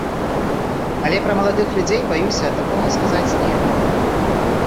Але пра маладых людзей, баюся, такога сказаць нельга.